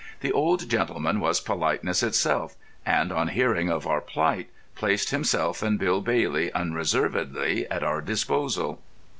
The old gentleman was politeness itself, and on hearing of our plight placed himself and Bill Bailey unreservedly at our disposal.